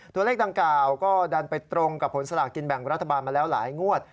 ตัวเลขดังกล่าวก็ดันไปตรงกับผลสลากกินแบ่งรัฐบาลมาแล้วหลายงวด